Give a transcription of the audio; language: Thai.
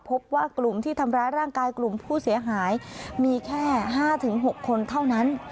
พบว่ากลุ่มที่ทำร้ายร่างกายกลุ่มผู้เสียหายมีแค่๕๖คนเท่านั้น